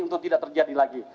untuk tidak terjadi lagi